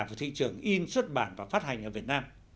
của thị trường in xuất bản và phát hành ở việt nam